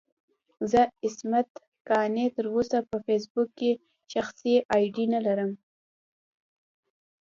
زه عصمت قانع تر اوسه په فېسبوک کې شخصي اې ډي نه لرم.